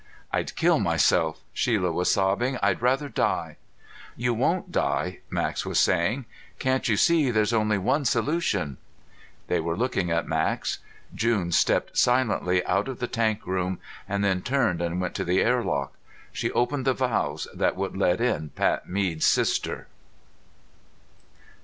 "I'd kill myself!" Shelia was sobbing. "I'd rather die!" "You won't die," Max was saying. "Can't you see there's only one solution " They were looking at Max. June stepped silently out of the tank room, and then turned and went to the airlock. She opened the valves that would let in Pat Mead's sister.